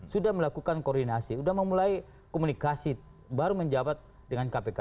sudah melakukan koordinasi sudah memulai komunikasi baru menjawab dengan kpk